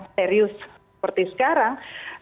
serius seperti sekarang